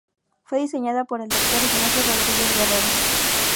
Fue diseñada por el Dr. Ignacio Rodríguez Guerrero.